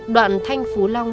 đoạn thanh phú long